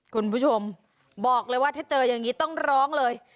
คุณผู้ชมบอกเลยว่าถ้าเจออย่างนี้ต้องร้องเลย